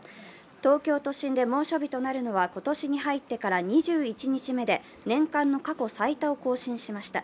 東京都心で猛暑日となるのは、今年に入ってから２１日目で年間の過去最多を更新しました。